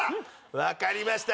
わかりました。